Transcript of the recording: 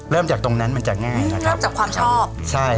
เริ่มจากตรงนั้นมันจะง่ายนะครับ